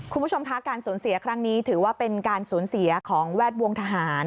คุณผู้ชมคะการสูญเสียครั้งนี้ถือว่าเป็นการสูญเสียของแวดวงทหาร